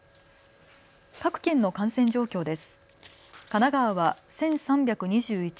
各県の感染状況です。